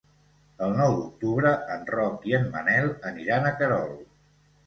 El nou d'octubre en Roc i en Manel aniran a Querol.